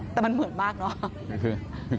แต่มันเหมือนมากเนอะ